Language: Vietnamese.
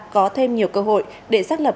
có thêm nhiều cơ hội để xác lập